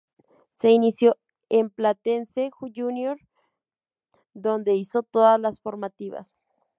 Se inició en Platense Junior donde hizo todas las formativas.